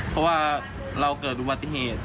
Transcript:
เพราะว่าเราเกิดอุบัติเหตุ